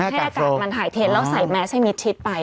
ให้อากาศมันถ่ายเทนต์แล้วใส่แมสให้มิดชิดไป